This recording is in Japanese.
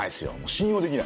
信用できない。